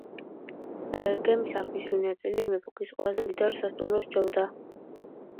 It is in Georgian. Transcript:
გემის აღნიშნული ნაწილი იმ ეპოქის ყველაზე მდიდრულ სასტუმროს სჯობდა.